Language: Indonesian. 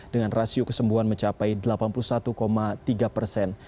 dengan rasio kesembuhan mencapai delapan puluh satu tiga persen